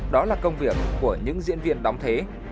đó là công việc của những diễn viên đóng thế